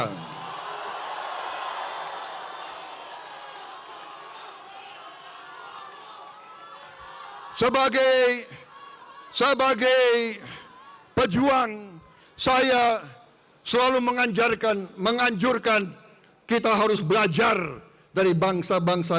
republik indonesia sebagai sebagai pejuang saya selalu menganjurkan kita harus belajar dari bangsa bangsa